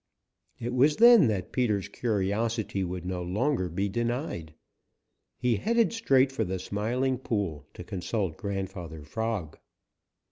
It was then that Peter's curiosity would no longer be denied. He headed straight for the Smiling Pool to consult Grandfather Frog.